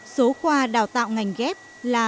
số khoa đào tạo ngành ghép là